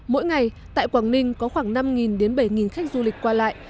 mỗi ngày tại quảng ninh có khoảng năm đến bảy khách du lịch qua lại